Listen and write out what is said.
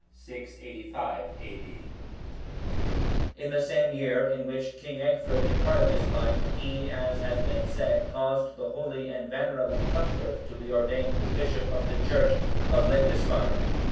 [685 A.D.] In the same year in which King Egfrid departed this life,(739) he, as has been said, caused the holy and venerable Cuthbert(740) to be ordained bishop of the church of Lindisfarne.